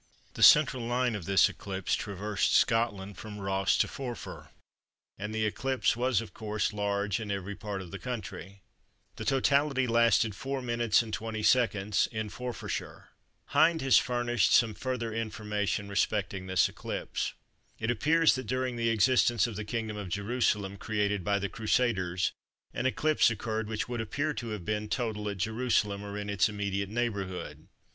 The central line of this eclipse traversed Scotland from Ross to Forfar and the eclipse was of course large in every part of the country. The totality lasted 4m. 20s. in Forfarshire. Hind has furnished some further information respecting this eclipse. It appears that during the existence of the Kingdom of Jerusalem created by the Crusaders an eclipse occurred which would appear to have been total at Jerusalem or in its immediate neighbourhood.